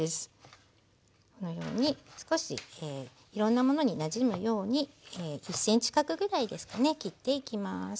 このように少しいろんなものになじむように１ｃｍ角ぐらいですかね切っていきます。